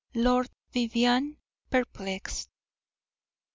LORD VIVIANNE PERPLEXED.